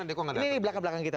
ini belakang belakang kita